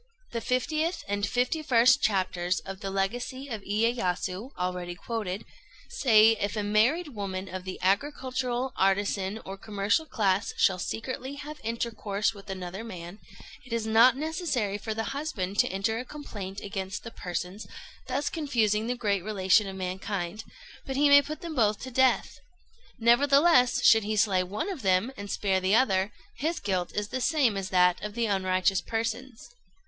The 50th and 51st chapters of the "Legacy of Iyéyasu," already quoted, say: "If a married woman of the agricultural, artisan, or commercial class shall secretly have intercourse with another man, it is not necessary for the husband to enter a complaint against the persons thus confusing the great relation of mankind, but he may put them both to death. Nevertheless, should he slay one of them and spare the other, his guilt is the same as that of the unrighteous persons.